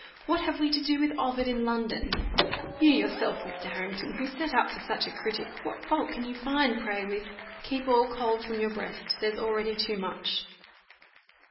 What have we to do with Ovid in London? You, yourself, Mr. Harrington, who set up for such a critic, what fault can you find, pray, with 'Keep all cold from your breast, there's already too much?